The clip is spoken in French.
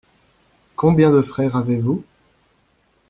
Combien de frères avez-vous ?